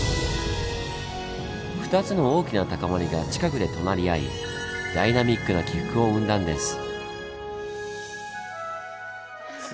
２つの大きな高まりが近くで隣り合いダイナミックな起伏を生んだんです。